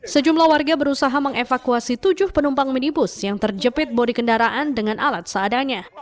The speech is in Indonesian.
sejumlah warga berusaha mengevakuasi tujuh penumpang minibus yang terjepit bodi kendaraan dengan alat seadanya